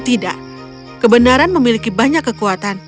tidak kebenaran memiliki banyak kekuatan